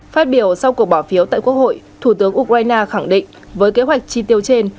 phát biểu sau cuộc bỏ phiếu tại quốc hội thủ tướng ukraine khẳng định với kế hoạch chi tiêu trên